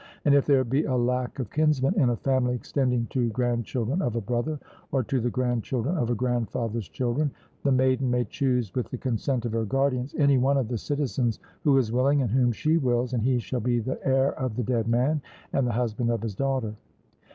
And if there be a lack of kinsmen in a family extending to grandchildren of a brother, or to the grandchildren of a grandfather's children, the maiden may choose with the consent of her guardians any one of the citizens who is willing and whom she wills, and he shall be the heir of the dead man, and the husband of his daughter.